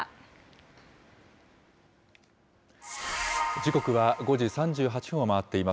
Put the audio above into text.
時刻は５時３８分を回っています。